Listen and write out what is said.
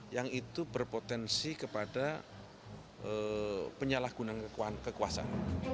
yang itu berpotensi kepada penyalahgunaan kekuasaan